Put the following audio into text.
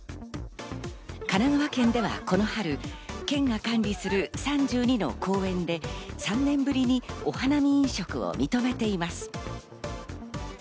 神奈川県ではこの春、県が管理する３２の公園で３年ぶりにお花見飲食を認めています。